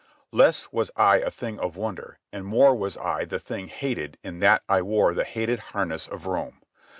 Less was I a thing of wonder, and more was I the thing hated in that I wore the hated harness of Rome.